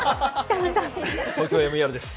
ＴＯＫＹＯＭＥＲです。